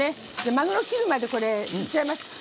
まぐろ切るまでいっちゃいます。